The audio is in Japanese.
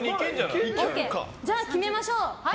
じゃあ決めましょう。